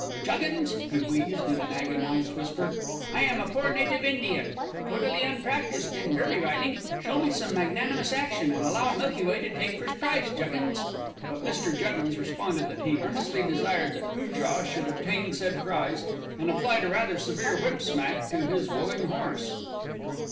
"Juggins!" he wheezed in an agonised whisper, "I am a poor native Indian, totally unpractised in Derby riding. Show me some magnanimous action, and allow Milky Way to take first prize, Juggins!" But Mr Juggins responded that he earnestly desired that Poojah should obtain said prize, and applied a rather severe whipsmack to his willing horse.